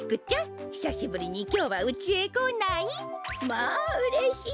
まあうれしい。